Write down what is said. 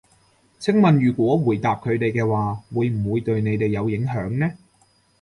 請問如果回答佢哋嘅話，會唔會對你哋有影響呢？